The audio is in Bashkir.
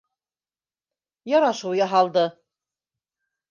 Ярашыу яһалды.